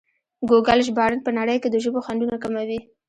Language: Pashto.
ګوګل ژباړن په نړۍ کې د ژبو خنډونه کموي.